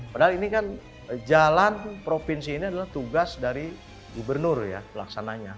padahal ini kan jalan provinsi ini adalah tugas dari gubernur ya pelaksananya